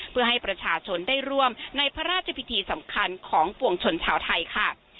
เพื่อให้ประชาชนได้ร่วมในพระราชพิธีสำคัญของปวงชนชาวไทยค่ะ